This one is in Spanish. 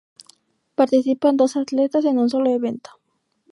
Participan dos atletas en un solo evento.